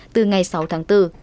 từ ngày sáu tháng bốn